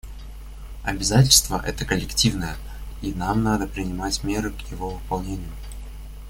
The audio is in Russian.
Обязательство это коллективное, и нам надо принимать меры к его выполнению.